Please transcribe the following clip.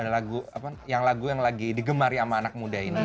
lagu apa yang lagi digemari sama anak muda ini